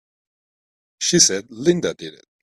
She said Linda did it!